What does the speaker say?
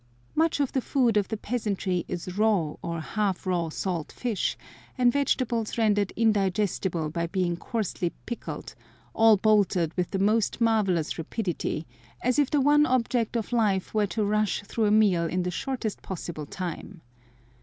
Much of the food of the peasantry is raw or half raw salt fish, and vegetables rendered indigestible by being coarsely pickled, all bolted with the most marvellous rapidity, as if the one object of life were to rush through a meal in the shortest possible time.